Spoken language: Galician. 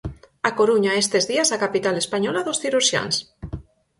A Coruña é estes días a capital española dos cirurxiáns.